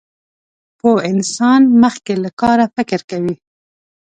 پوه انسان مخکې له کاره فکر کوي.